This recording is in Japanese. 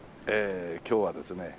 今日はですね